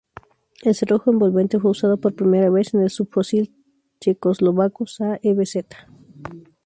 El cerrojo envolvente fue usado por primera vez en el subfusil checoslovaco Sa vz.